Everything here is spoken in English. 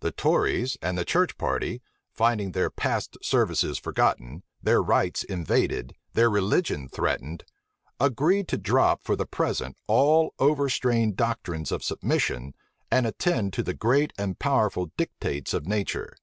The tories and the church party, finding their past services forgotten, their rights invaded, their religion threatened, agreed to drop for the present all overstrained doctrines of submission, and attend to the great and powerful dictates of nature.